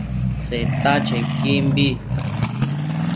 Seta chequimbi